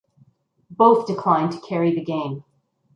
Both declined to carry the game.